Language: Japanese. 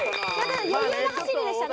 余裕の走りでしたね。